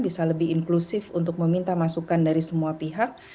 bisa lebih inklusif untuk meminta masukan dari semua pihak